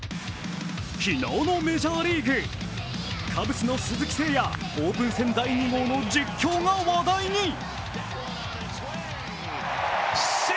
昨日のメジャーリーグ、カブスの鈴木誠也、オープン戦第２号の実況が話題に。